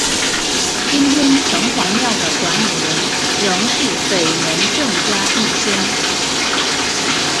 今天城隍庙的管理人仍是北门郑家裔孙。